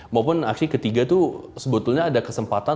maupun aksi ketiga itu sebetulnya ada kesempatan